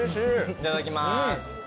いただきます。